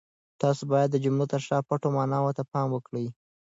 تاسو باید د جملو تر شا پټو ماناوو ته پام وکړئ.